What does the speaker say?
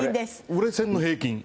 売れ線の平均？